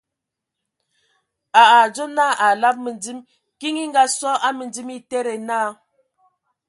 A a adzo naa a alab məndim, kiŋ e Ngaasɔ a mǝndim a etede naa :